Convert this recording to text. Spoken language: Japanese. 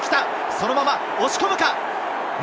そのまま押し込むか？